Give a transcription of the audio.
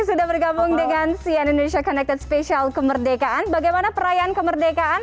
sudah bergabung dengan cn indonesia connected spesial kemerdekaan bagaimana perayaan kemerdekaan